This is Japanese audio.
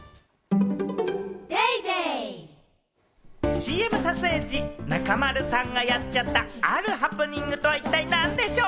ＣＭ撮影時、中丸さんがやっちゃった、あるハプニングとは一体なんでしょう？